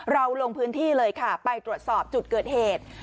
ลงพื้นที่เลยค่ะไปตรวจสอบจุดเกิดเหตุ